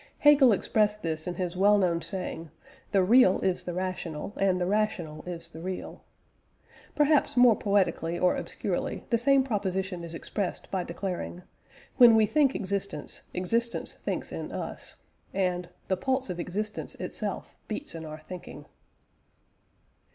Hegel expressed this in his well known saying "the real is the rational, and the rational is the real." Perhaps more poetically or obscurely the same proposition is expressed by declaring: "When we think existence, existence thinks in us," and "The pulse of existence itself beats in our thinking."